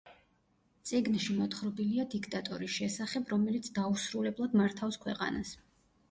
წიგნში მოთხრობილია დიქტატორის შესახებ, რომელიც დაუსრულებლად მართავს ქვეყანას.